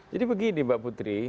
jadi begini mbak putri